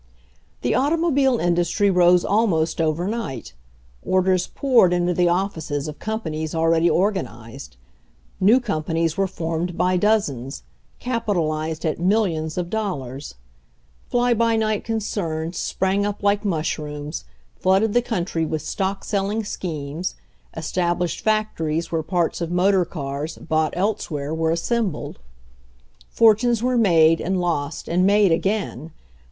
The automobile industry rose almost over night. Orders poured into the offices of com panies already organized; new companies were formed by dozens, capitalized at millions of dol lars. Fly by night concerns sprang up like mush rooms, flooded the country with stock selling schemes, established factories where parts of mo tor cars, bought elsewhere, were assembled. For tunes were made and lost and made again.